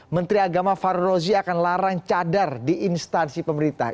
menteri agama farrozi akan larang cadar di instansi pemerintah